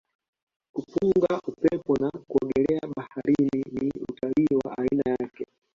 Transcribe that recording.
kupunga upepo na kuogelea baharini ni utalii wa aina yake